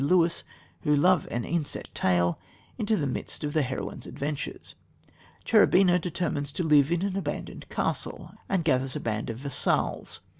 Lewis, who love an inset tale, into the midst of the heroine's adventures. Cherubina determines to live in an abandoned castle, and gathers a band of vassals.